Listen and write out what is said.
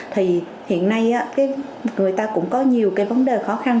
thì hiện nay người ta cũng có nhiều cái vấn đề khó khăn